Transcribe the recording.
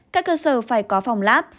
các cơ sở phải có phòng lab